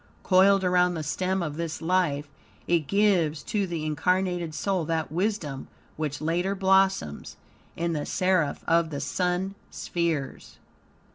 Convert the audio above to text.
Coiled around the stem of this life, it gives to the incarnated soul that wisdom which later blossoms in the Seraph of the Sun spheres.